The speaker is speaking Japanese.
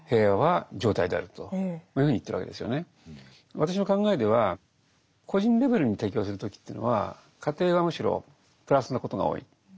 私の考えでは個人レベルに提供する時というのは過程はむしろプラスなことが多いと思います。